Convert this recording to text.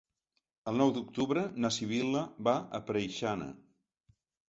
El nou d'octubre na Sibil·la va a Preixana.